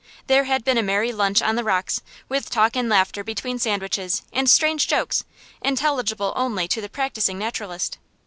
There had been a merry luncheon on the rocks, with talk and laughter between sandwiches, and strange jokes, intelligible only to the practising naturalist.